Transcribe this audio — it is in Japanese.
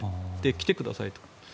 来てくださいと。